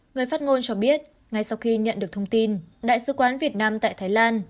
người phát ngôn cho biết ngay sau khi nhận được thông tin đại sứ quán việt nam tại thái lan